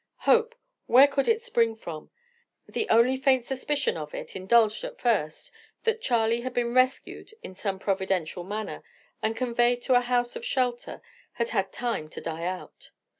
Hope; where could it spring from? The only faint suspicion of it, indulged at first, that Charley had been rescued in some providential manner, and conveyed to a house of shelter, had had time to die out.